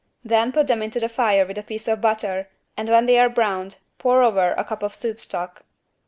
Then put them into the fire with a piece of butter and when they are browned, pour over a cup of soup stock.